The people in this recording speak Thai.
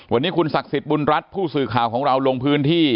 วันนี้คุณศักดิ์สิทธิ์บุญรัฐผู้สื่อข่าวของเราลงพื้นที่